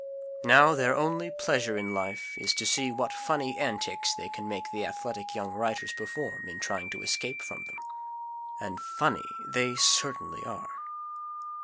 Now their only pleasure in life is to see what funny antics they can make the athletic young writers perform in trying to escape from them. And funny they certainly are.